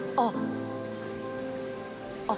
あっ。